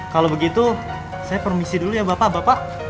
kalau begitu saya permisi dulu ya bapak bapak